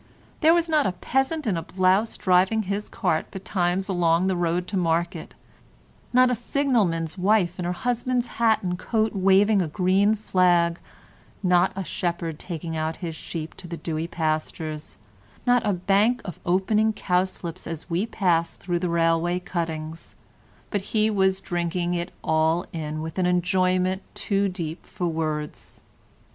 There was not a peasant in a blouse driving his cart betimes along the road to market, not a signalman's wife in her husband's hat and coat waving a green flag, not a shepherd taking out his sheep to the dewy pastures, not a bank of opening cowslips as we passed through the railway cuttings, but he was drinking it all in with an enjoyment too deep for words.